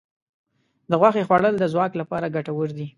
د غوښې خوړل د ځواک لپاره ګټور دي.